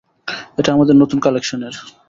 এটা আমাদের নতুন কালেকশনের।